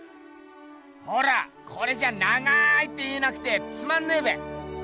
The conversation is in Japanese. ほらこれじゃあ長いって言えなくてつまんねえべ。